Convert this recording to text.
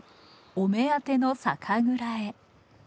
お目当ての酒蔵へ。